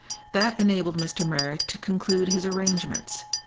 That enabled Mr. Merrick to conclude his arrangements.